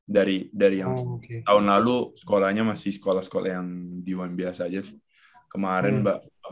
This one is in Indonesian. dari yang tahun lalu sekolahnya masih sekolah sekolah yang diwan biasa aja sih